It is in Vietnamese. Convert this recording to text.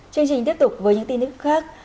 chương trình tiếp tục với những tin tức khác